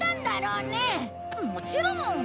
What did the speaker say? もちろん！